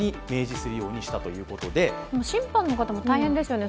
審判の方も大変ですよね。